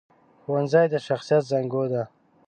ښوونځی د شخصیت زانګو ده